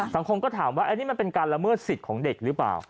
สังคมก็ถามว่าอันนี้มันเป็นการละเมิดสิทธิ์ของเด็กหรือเปล่า